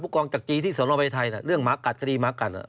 ผู้กองจัดกีที่สวนลงไปไทยน่ะเรื่องหมากัดคดีหมากัดน่ะ